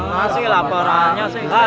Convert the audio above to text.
mana sih laporannya sih